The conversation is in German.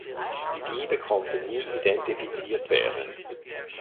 Die Diebe konnten nie identifiziert werden.